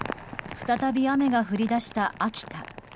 再び雨が降り出した秋田。